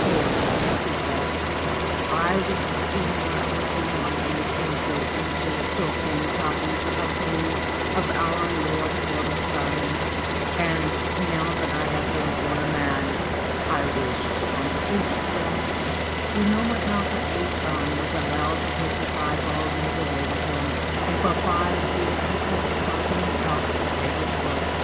* For,7 he said, c I was the senior of the two monkeys who were so anxious to obtain copies of the whole of our Lord Buddha's sermons ; and, now that I have been born a man, I wish to complete them/ Kinomi ta ka Ason was allowed to take the five volumes away with him, and for five years he kept copying out the sacred book.